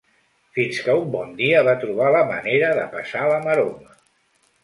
Fins que, un bon dia, va trobar la manera de passar la maroma.